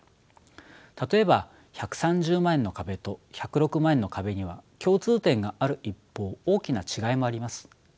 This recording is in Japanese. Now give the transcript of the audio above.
例えば１３０万円の壁と１０６万円の壁には共通点がある一方大きな違いもあります。